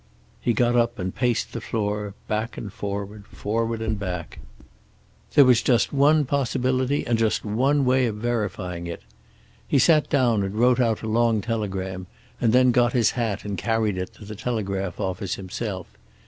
He got up and paced the floor back and forward, forward and back. There was just one possibility, and just one way of verifying it. He sat down and wrote out a long telegram and then got his hat and carried it to the telegraph office himself.